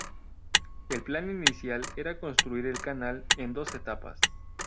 El plan inicial era construir el canal en dos etapas.